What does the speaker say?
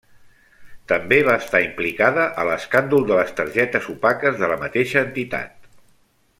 També va estar implicada a l'escàndol de les targetes opaques de la mateixa entitat.